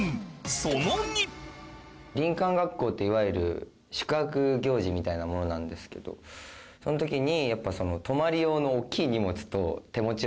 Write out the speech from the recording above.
その２林間学校っていわゆる宿泊行事みたいなものなんですけどその時に。